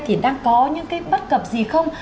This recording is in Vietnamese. thì đang có những cái bất cập gì không